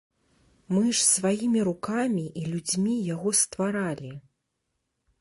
Мы ж сваімі рукамі і людзьмі яго стваралі.